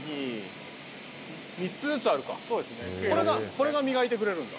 これが磨いてくれるんだ。